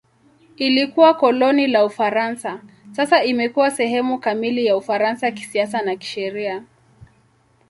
Ilikuwa koloni la Ufaransa; sasa imekuwa sehemu kamili ya Ufaransa kisiasa na kisheria.